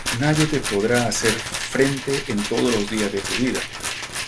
Nadie te podrá hacer frente en todos los días de tu vida.